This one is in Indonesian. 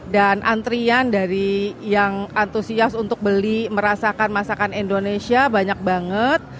dan antrian dari yang antusias untuk beli merasakan masakan indonesia banyak banget